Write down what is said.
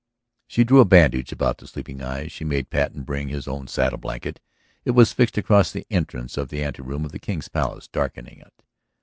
She drew a bandage about the sleeping eyes. She made Patten bring his own saddle blanket; it was fixed across the entrance of the anteroom of the King's Palace, darkening it.